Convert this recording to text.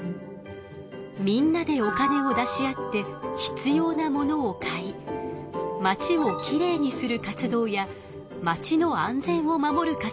みんなでお金を出し合って必要なものを買いまちをきれいにする活動やまちの安全を守る活動などをしています。